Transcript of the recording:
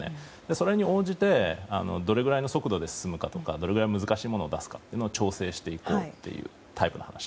それに応じてどれぐらいの速度で進むかとかどれくらい難しいものを出すかを調整していこうというタイプの話。